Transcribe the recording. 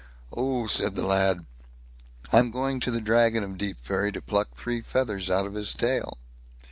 "Oh!" said the lad, "I'm going to the Dragon of Deepferry to pluck three feathers out of his tail."